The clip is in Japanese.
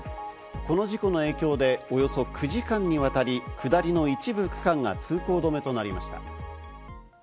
この事故の影響でおよそ９時間にわたり下りの一部区間が通行止めとなりました。